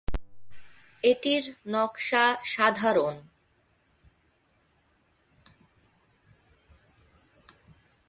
এটির নকশা সাধারণ।